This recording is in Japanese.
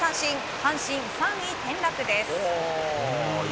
阪神３位転落です。